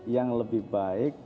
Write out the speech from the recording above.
yang lebih baik